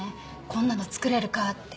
こんなの作れるかって。